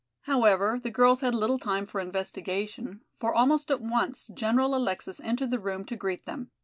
However, the girls had little time for investigation, for almost at once General Alexis entered the room to greet them.